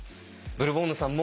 ブルボンヌさん